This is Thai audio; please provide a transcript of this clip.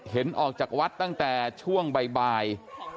ออกจากวัดตั้งแต่ช่วงบ่าย